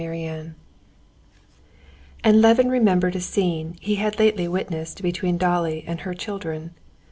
Chapter 13 And Levin remembered a scene he had lately witnessed between Dolly and her children.